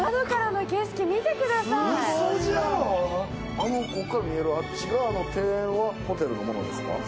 あの奥に見えるあっち側の庭園はホテルのものですか？